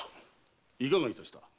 いかがいたした？